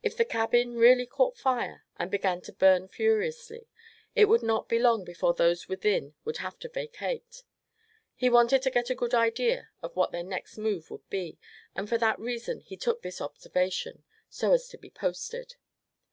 If the cabin really caught fire, and began to burn furiously, it would not be long before those within would have to vacate. He wanted to get a good idea as to what their next move would be; and for that reason he took this observation, so as to be posted.